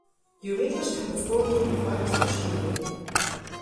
Geometrisch kann das Vorgehen wie folgt beschrieben werden.